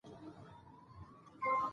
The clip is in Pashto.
عمر ته یې ورکړې او عمر یې پلار ته ورکړې،